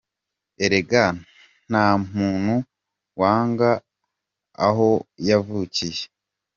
Erega nta muntu wanga aho yavukiye !».